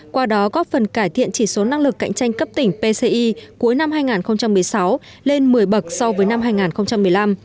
qua đó góp phần cải thiện chỉ số năng lực cạnh tranh cấp tỉnh pci cuối năm hai nghìn một mươi sáu lên một mươi bậc so với năm hai nghìn một mươi năm